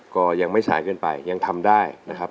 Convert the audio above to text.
ก็ยังไม่สายเกินไปยังทำได้นะครับ